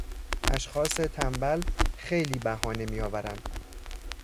اشخاص تنبل خیلی بهانه میآورند.